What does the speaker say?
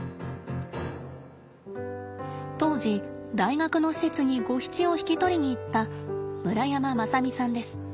当時大学の施設にゴヒチを引き取りに行った村山正巳さんです。